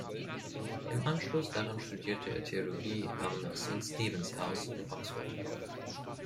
Im Anschluss daran studierte er Theologie am "St Stephen's House" in Oxford.